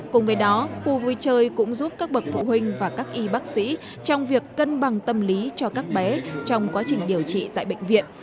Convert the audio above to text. cùng với đó khu vui chơi cũng giúp các bậc phụ huynh và các y bác sĩ trong việc cân bằng tâm lý cho các bé trong quá trình điều trị tại bệnh viện